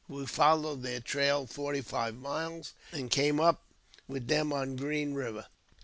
We followed their trail forty five miles, and came up with them on Green Eiver.